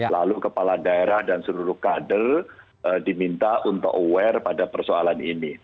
lalu kepala daerah dan seluruh kader diminta untuk aware pada persoalan ini